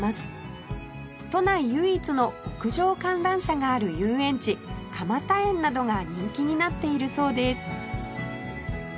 都内唯一の屋上観覧車がある遊園地かまたえんなどが人気になっているそうです